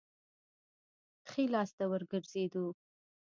ښي لاس ته وګرځېدو.